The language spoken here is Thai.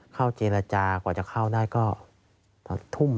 เข้าเจรจากว่าจะเข้าได้ก็ทุ่ม